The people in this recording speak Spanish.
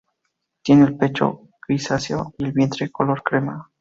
Tiene el pecho grisáceo y el vientre color crema.